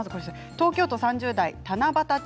東京都３０代の方。